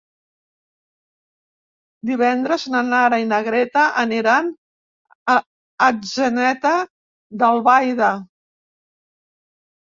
Divendres na Nara i na Greta aniran a Atzeneta d'Albaida.